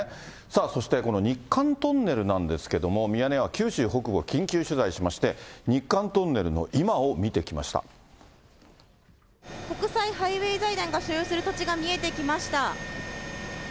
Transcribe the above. そしてこの日韓トンネルなんですけども、ミヤネ屋は九州北部を緊急取材しまして、日韓トンネルの今を見て国際ハイウェイ財団が所有する土地が見えてきました。